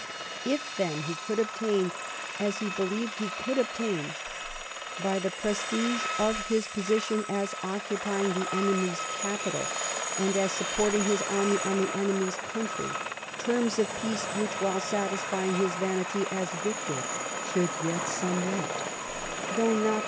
If, then, he could obtain, as he believed he could obtain, by the prestige of his position as occupying the enemy's capital, and as supporting his army on the enemy's country, terms of peace which, while satisfying his vanity as victor, should yet somewhat, though not to TEE WAR OF 1809.